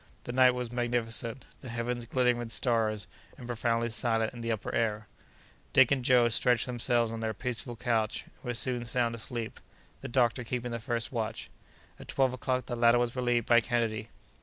The night was magnificent, the heavens glittering with stars, and profoundly silent in the upper air. Dick and Joe stretched themselves on their peaceful couch, and were soon sound asleep, the doctor keeping the first watch. At twelve o'clock the latter was relieved by Kennedy.